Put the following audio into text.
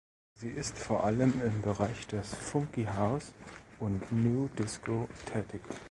Sie ist vor allem im Bereich des Funky House und Nu Disco tätig.